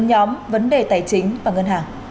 nhóm vấn đề tài chính và ngân hàng